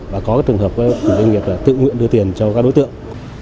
và có trường hợp các chủ doanh nghiệp tự nguyện đưa tiền cho các đối tượng